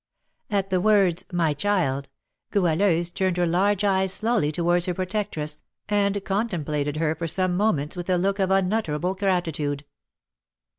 At the words, "my child," Goualeuse turned her large eyes slowly towards her protectress, and contemplated her for some moments with a look of unutterable gratitude.